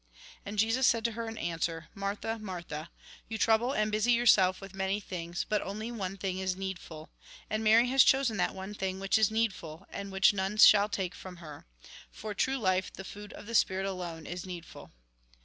And Jesus said to her in answer :" Martha, Martha ! you trouble and busy yourself with many things, but only one thing is needful. And Mary has chosen that one thing which is needful, and which none shall take from her. For true life the food of the spirit alone is needful."